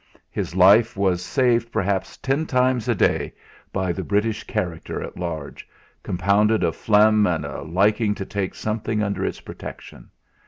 His life was saved perhaps ten times a day by the British character at large, compounded of phlegm and a liking to take something under its protection.